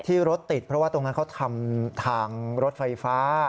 รถติดเพราะว่าตรงนั้นเขาทำทางรถไฟฟ้า